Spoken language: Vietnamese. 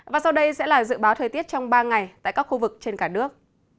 và sau đây sẽ là dự báo thời tiết trong ba ngày tại các khu vực trên cả nước